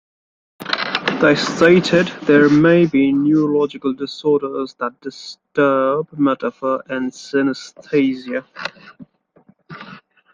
They stated:There may be neurological disorders that disturb metaphor and synaesthesia.